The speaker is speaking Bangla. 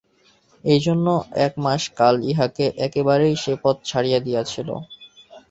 এইজন্য এক মাস কাল ইহাকে একেবারেই সে পথ ছড়িয়া দিয়াছিল।